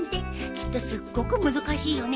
きっとすっごく難しいよね。